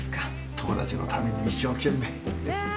友達のために一生懸命。